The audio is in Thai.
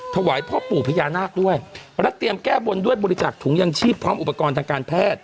ถวายพ่อปู่พญานาคด้วยและเตรียมแก้บนด้วยบริจาคถุงยังชีพพร้อมอุปกรณ์ทางการแพทย์